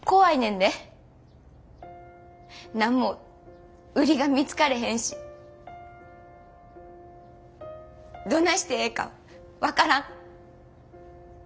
何も売りが見つかれへんしどないしてええか分からん。